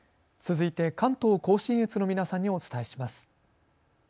続いて関東甲信越の皆さんにお伝えします。